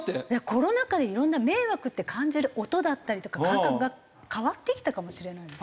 コロナ禍でいろんな迷惑って感じる音だったりとか感覚が変わってきたかもしれないですね。